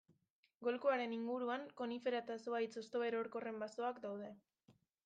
Golkoaren inguruan konifera eta zuhaitz hostoerorkorren basoak daude.